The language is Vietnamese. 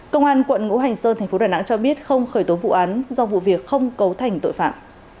công an quận ngũ hành sơn thành phố đà nẵng cho biết không khởi tố vụ án do vụ việc không cấu thành tội phạm